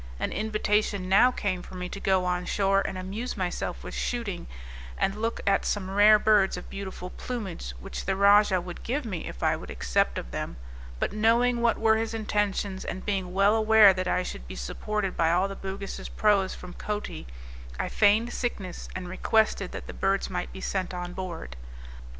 An invitation now came for me to go on shore and amuse myself with shooting, and look at some rare birds of beautiful plumage which the rajah would give me if I would accept of them; but knowing what were his intentions, and being well aware that I should be supported by all the Bugis' proas from Coti, I feigned sickness, and requested that the birds might be sent on board.